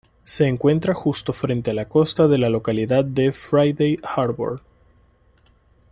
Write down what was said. Se encuentra justo frente a la costa de la localidad de Friday Harbor.